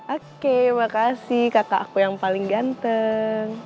oke makasih kakak aku yang paling ganteng